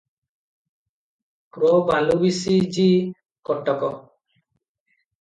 ପ୍ର ବାଲୁବିଶି ଜି କଟକ ।